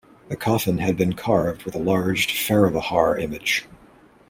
The coffin had been carved with a large faravahar image.